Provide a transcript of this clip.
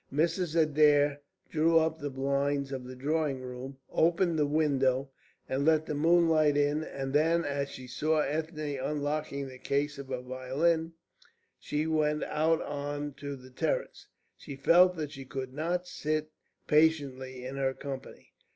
Mrs. Adair drew up the blinds of the drawing room, opened the window, and let the moonlight in; and then, as she saw Ethne unlocking the case of her violin, she went out on to the terrace. She felt that she could not sit patiently in her company.